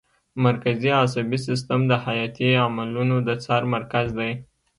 مرکزي عصبي سیستم د حیاتي عملونو د څار مرکز دی